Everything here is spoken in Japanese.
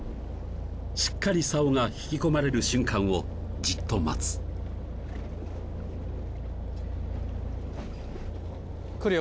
しっかり竿が引き込まれる瞬間をじっと待つくるよ